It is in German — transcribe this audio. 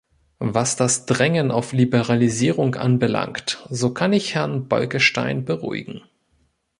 Was das Drängen auf Liberalisierung anbelangt, so kann ich Herrn Bolkestein beruhigen.